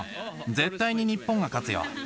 絶対に日本が勝つよ。